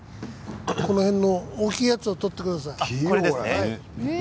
この辺の大きいやつを取ってください。